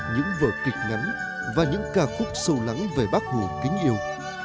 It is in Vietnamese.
những vở kịch ngắn và những ca khúc sâu lắng về bác hồ kính yêu